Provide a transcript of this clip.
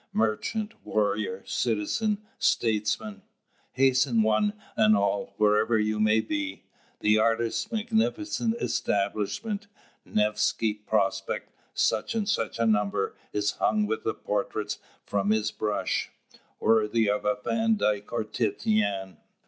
Merchant, warrior, citizen, statesman hasten one and all, wherever you may be. The artist's magnificent establishment (Nevsky Prospect, such and such a number) is hung with portraits from his brush, worthy of Van Dyck or Titian.